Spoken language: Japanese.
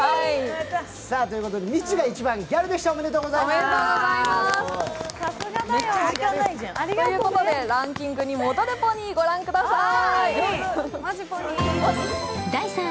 みちゅが一番ギャルでした、おめでとうございます。ということでランキングに戻るぽに、ご覧ください。